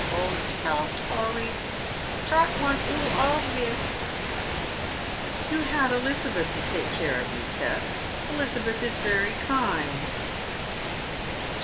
"Oo tell tory. Trot want oo allvis." " You had Elizabeth to take care of you, pet Elizabeth is very kind."